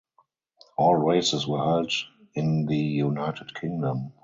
All races were held in the United Kingdom.